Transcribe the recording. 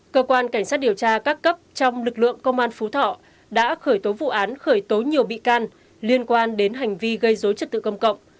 cơ quan cảnh sát điều tra các cấp trong lực lượng công an phú thọ đã khởi tố vụ án khởi tố nhiều bị can liên quan đến hành vi gây dối trật tự công cộng